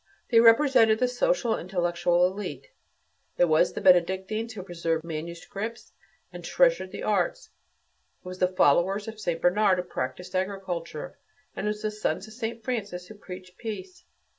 They represented the social and intellectual élite; it was the Benedictines who preserved manuscripts and treasured the arts; it was the followers of Saint Bernard who practised agriculture, and it was the sons of Saint Francis who preached peace.